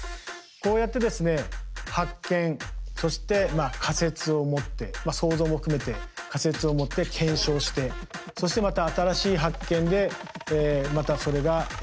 こうやってですね発見そして仮説を持って想像も含めて仮説を持って検証してそしてまた新しい発見でまたそれが謎が深まっていく。